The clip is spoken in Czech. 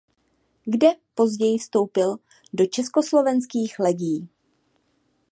Kde později vstoupil do Československých legií.